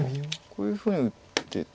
こういうふうに打って。